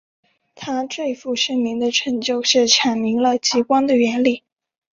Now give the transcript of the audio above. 他最负盛名的成就是阐明了极光的原理。